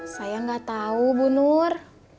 saya gak tau bu nur